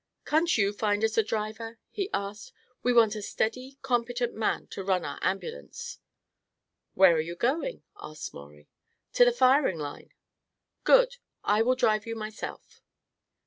"Can't you find us a driver?" he asked. "We want a steady, competent man to run our ambulance." "Where are you going?" asked Maurie. "To the firing line." "Good. I will drive you myself."